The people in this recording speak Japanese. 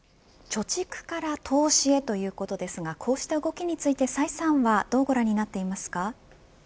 貯蓄から投資へということですがこうした動きについて崔さんはどうご覧になっていますか。